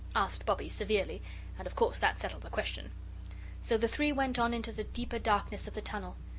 asked Bobbie, severely, and of course that settled the question. So the three went on into the deeper darkness of the tunnel.